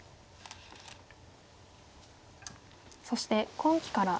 そして今期から。